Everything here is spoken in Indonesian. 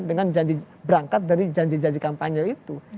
dengan berangkat dari janji janji kampanye itu